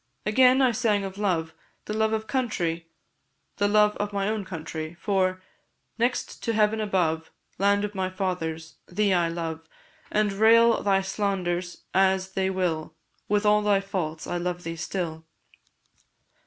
Again, I sang of love the love of country, the love of my own country; for, 'Next to heaven above, Land of my fathers! thee I love; And, rail thy slanderers as they will, With all thy faults I love thee still.'